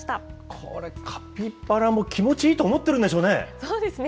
これ、カピバラも気持ちいいと思ってるんでしょうね。